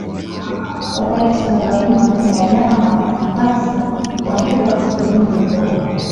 umeleta mugawanyiko ndani ya vyama vya wafanyikazi kwa hivyo katika vyama vilivyokutana